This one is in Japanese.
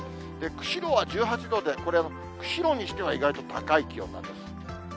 釧路は１８度で、これ、釧路にしては意外と高い気温なんです。